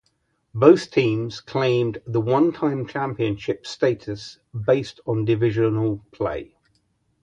Both teams claimed the one-time championship status based on divisional play.